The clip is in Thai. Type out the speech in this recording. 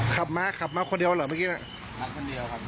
ขับมาขับมาคนเดียวเหรอเมื่อกี้มาคนเดียวครับ